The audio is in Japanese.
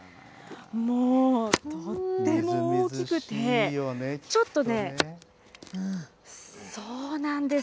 もうとっても大きくて、ちょっとね、そうなんです。